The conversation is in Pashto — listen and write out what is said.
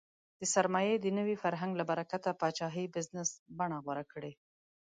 د سرمایې د نوي فرهنګ له برکته پاچاهۍ بزنس بڼه غوره کړې.